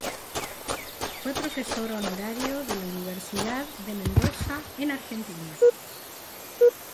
Fue profesor honorario de la Universidad de Mendoza en Argentina.